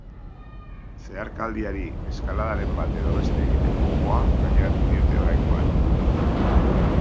Zeharkaldiari eskaladaren bat edo beste egiteko gogoa gaineratu diote oraingoan.